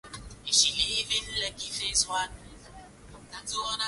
wa Mexico Enrique Pena Nieto amesema vita dhidi ya dawa za kulevya